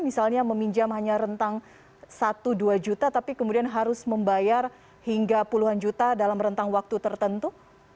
misalnya meminjam hanya rentang satu dua juta tapi kemudian harus membayar hingga puluhan juta dalam rentang waktu tertentu